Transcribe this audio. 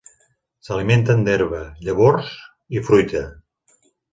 S'alimenten d'herba, llavors i fruita.